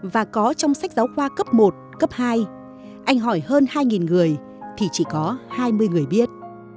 và có trong sách giáo khoa cấp một cấp hai anh hỏi hơn hai người thì chỉ có hai mươi người biết